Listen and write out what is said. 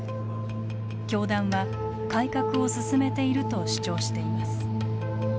教団は改革を進めていると主張しています。